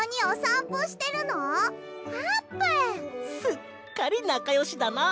すっかりなかよしだな！